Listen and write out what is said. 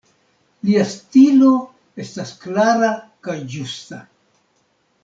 Lia stilo estas klara kaj ĝusta.